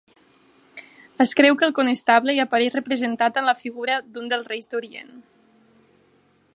Es creu que el Conestable hi apareix representat en la figura d'un dels reis d'Orient.